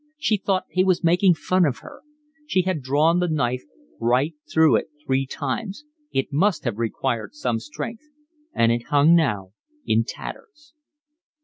She thought he was making fun of her. She had drawn the knife right through it three times, it must have required some strength, and it hung now in tatters.